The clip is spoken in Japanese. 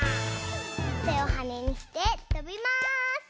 てをはねにしてとびます！